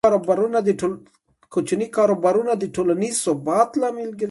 کوچني کاروبارونه د ټولنیز ثبات لامل ګرځي.